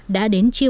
đã đến chiều